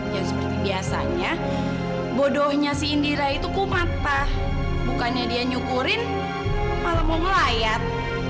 ya seperti biasanya bodohnya si indira itu ku mata bukannya dia nyukurin malah mau ngelayat